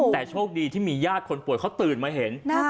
แต่โชคดีที่มีญาติคนป่วยเขาตื่นมาเห็น